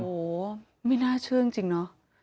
โอ้โหไม่น่าเชื่อจริงเนอะ